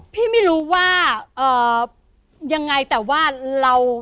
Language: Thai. พี่ไม่รู้ว่าเอ่อยังไงแต่ว่าเรา